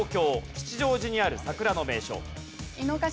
吉祥寺にある桜の名所。